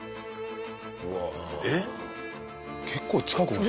えっ結構近くない？